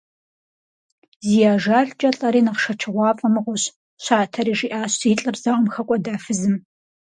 Зи ажалкӀэ лӀэри нэхъ шэчыгъуафӀэ мыгъуэщ, – щатэри жиӀащ зи лӀыр зауэм хэкӀуэда фызым.